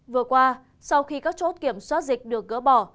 vừa qua sau khi các chốt kiểm soát dịch được gỡ bỏ